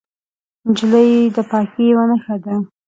نجلۍ د پاکۍ یوه نښه ده.